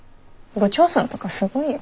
部長さんとかすごいよ。